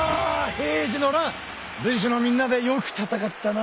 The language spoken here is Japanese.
平治の乱武士のみんなでよく戦ったな！